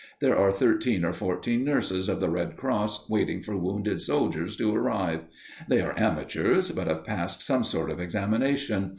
There are thirteen or fourteen nurses of the Red Cross waiting for wounded soldiers to arrive. They are amateurs, but have passed some sort of examination.